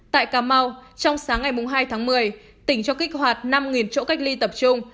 tại cà mau trong sáng ngày hai tháng một mươi tỉnh cho kích hoạt năm chỗ cách ly tập trung